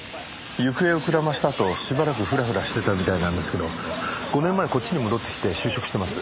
行方をくらませたあとしばらくフラフラしてたみたいなんですけど５年前こっちに戻ってきて就職してます。